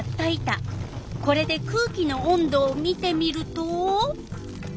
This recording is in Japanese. これで空気の温度を見てみると。